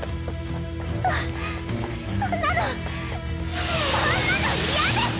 そそんなのそんなの嫌です‼